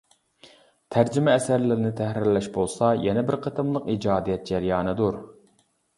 تەرجىمە ئەسەرلەرنى تەھرىرلەش بولسا يەنە بىر قېتىملىق ئىجادىيەت جەريانىدۇر.